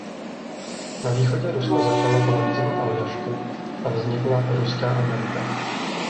Na východě Rusko začalo kolonizovat Aljašku a vznikla Ruská Amerika.